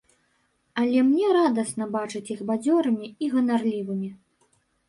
Але мне радасна бачыць іх бадзёрымі і ганарлівымі.